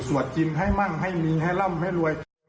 กินให้มั่งให้มีให้ร่ำให้รวย